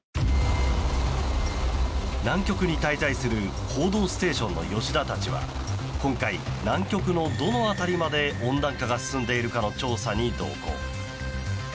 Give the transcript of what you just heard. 南極に滞在する「報道ステーション」の吉田たちは今回、南極のどの辺りまで温暖化が進んでいるのかの調査に同行。